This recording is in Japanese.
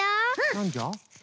なんじゃ？